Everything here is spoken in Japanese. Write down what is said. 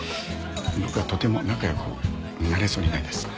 僕はとても仲良くなれそうにないです。